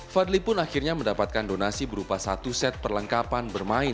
fadli pun akhirnya mendapatkan donasi berupa satu set perlengkapan bermain